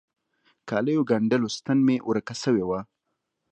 کاليو ګنډلو ستن مي ورکه سوي وه.